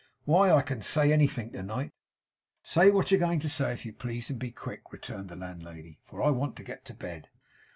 Why, I can say anything to night!' 'Say what you're going to say if you please, and be quick,' returned the landlady, 'for I want to get to bed.